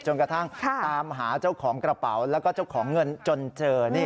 กระทั่งตามหาเจ้าของกระเป๋าแล้วก็เจ้าของเงินจนเจอ